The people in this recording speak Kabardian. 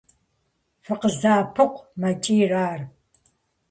- ФыкъыздэӀэпыкъу! – мэкӀий ар.